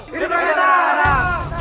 hidup yang datang